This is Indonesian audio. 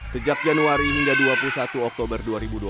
sejak januari hingga dua puluh satu oktober dua ribu dua puluh